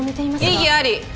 異議あり。